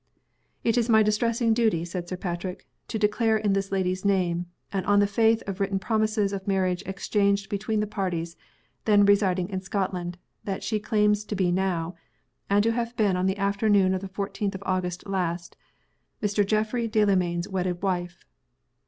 "It is my distressing duty," said Sir Patrick, "to declare, in this lady's name, and on the faith of written promises of marriage exchanged between the parties, then residing in Scotland, that she claims to be now and to have been on the afternoon of the fourteenth of August last Mr. Geoffrey Delamayn's wedded wife."